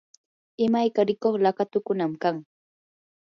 imayka rikuq laqatukunam kan.